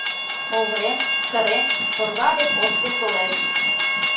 Оврем, сырен, орва дек ошкыл толеш.